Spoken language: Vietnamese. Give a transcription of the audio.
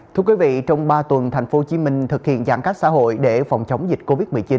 thưa quý vị trong ba tuần tp hcm thực hiện giãn cách xã hội để phòng chống dịch covid một mươi chín